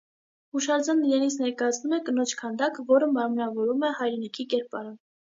Հուշարձանն իրենից ներկայացնում է կնոջ քանդակ, որը մարմնավորում է հայրենիքի կերպարը։